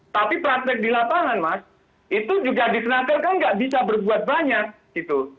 tapi praktek di lapangan mas itu juga di senatel kan nggak bisa berbuat banyak gitu